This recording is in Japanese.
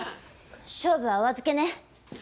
勝負はお預けね。